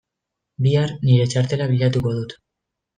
Bihar nire txartela bilatuko dut.